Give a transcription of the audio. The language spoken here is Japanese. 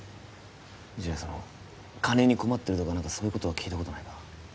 じゃあその金に困ってるとか何かそういうことは聞いたことないか？